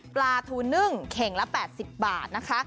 ปลาทูนึ่งเข่งละ๘๐บาทนะคะ